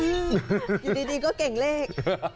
อยู่ดีก็เก่งเลข